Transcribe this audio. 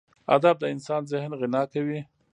ادب د انسان ذهن غنا کوي.